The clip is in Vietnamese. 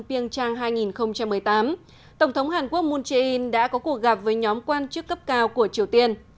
ping trang hai nghìn một mươi tám tổng thống hàn quốc moon jae in đã có cuộc gặp với nhóm quan chức cấp cao của triều tiên